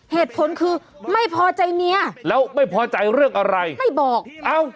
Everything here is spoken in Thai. เหตุผลคือไม่พอใจเมียแล้วไม่พอใจเรื่องอะไรไม่บอกเอ้า